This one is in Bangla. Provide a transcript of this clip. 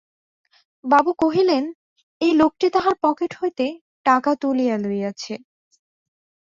বাবু কহিলেন, এই লোকটি তাঁহার পকেট হইতে টাকা তুলিয়া লইয়াছে।